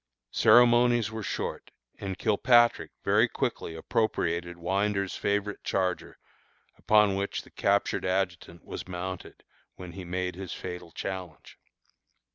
Ceremonies were short, and Kilpatrick very quickly appropriated Winder's favorite charger, upon which the captured adjutant was mounted when he made his fatal challenge.